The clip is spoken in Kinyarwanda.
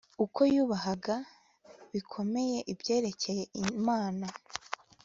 uko yubahaga bikomeye ibyerekeye imana